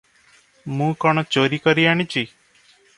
ମୁଁ କଣ ଚୋରିକରି ଆଣିଛି?